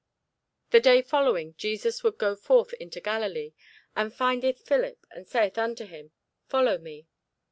The day following Jesus would go forth into Galilee, and findeth Philip, and saith unto him, Follow me.